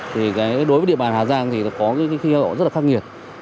thì đối với địa bàn hà giang thì có những khí hậu rất khắc nghiệt